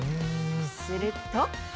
すると。